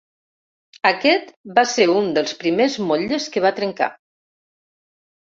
Aquest va ser un dels primers motlles que va trencar.